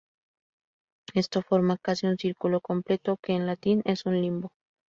Esto forma casi un círculo completo, que en latín es un limbo.